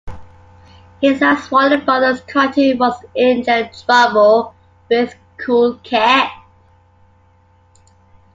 His last Warner Brothers cartoon was "Injun Trouble" with Cool Cat.